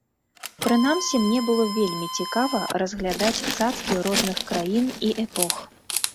Прынамсі мне было вельмі цікава разглядаць цацкі розных краін і эпох.